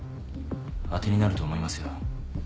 当てになると思いますよ。